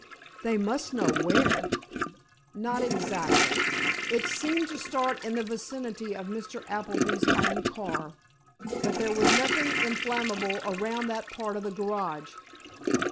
"They must know where!" "Not exactly. It seemed to start in the vicinity of Mr. Appleby's own car. But there was nothing inflammable around that part of the garage."